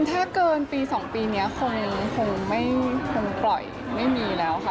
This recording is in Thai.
ถ้าเกินปี๒ปีนี้คงปล่อยไม่มีแล้วค่ะ